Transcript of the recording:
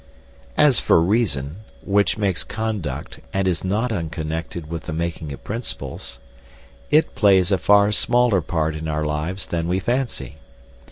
As for reason (which makes conduct, and is not unconnected with the making of principles), it plays a far smaller part in our lives than we fancy.